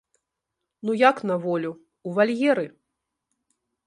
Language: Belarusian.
Ну як на волю, у вальеры.